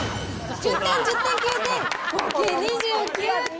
１０点、１０点、９点、合計２９点。